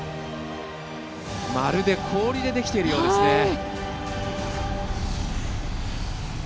まるで氷でできているようですね。